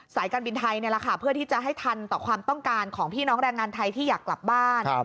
การบินไทยนี่แหละค่ะเพื่อที่จะให้ทันต่อความต้องการของพี่น้องแรงงานไทยที่อยากกลับบ้าน